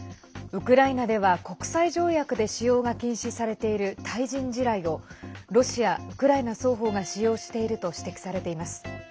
ウクライナでは国際条約で使用が禁止されている対人地雷をロシア、ウクライナ双方が使用していると指摘されています。